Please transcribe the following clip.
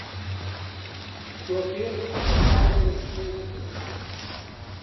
شۆفێر گوتی با لێرە شێو بخۆین